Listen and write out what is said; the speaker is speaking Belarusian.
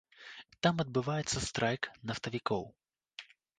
Там адбываецца страйк нафтавікоў.